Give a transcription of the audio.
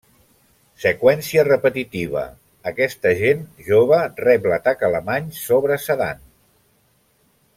Seqüència repetitiva, aquesta gent jove rep l'atac alemany sobre Sedan.